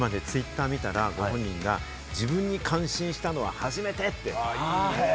今、ツイッターを見たら、自分に感心したのは初めてって。